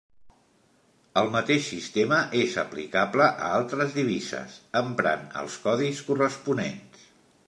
El mateix sistema és aplicable a altres divises, emprant els codis corresponents.